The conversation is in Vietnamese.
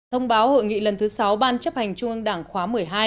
thông báo hội nghị lần thứ sáu ban chấp hành trung ương đảng khóa một mươi hai